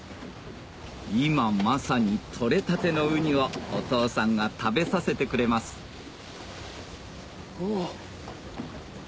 今まさに取れたてのウニをお父さんが食べさせてくれますうわっ。